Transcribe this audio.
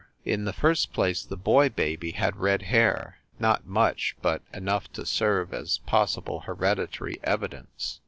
In the first place the boy baby had red hair not much, but enough to serve as possible hereditary evidence.